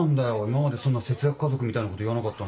今までそんな節約家族みたいなこと言わなかったのに。